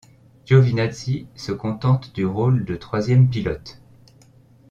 Giovinazzi se contente du rôle de troisième pilote.